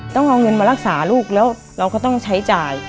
ต้องเอาเงินมารักษาลูกแล้วเราก็ต้องใช้จ่าย